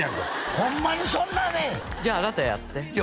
ホンマにそんなねじゃああなたやっていや